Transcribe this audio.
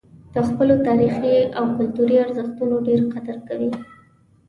د خپلو تاریخي او کلتوري ارزښتونو ډېر قدر کوي.